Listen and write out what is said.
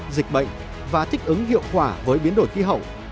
dịch bệnh và thích ứng hiệu quả với biến đổi khí hậu